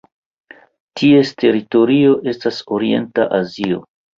Ties teritorio estas Orienta Azio.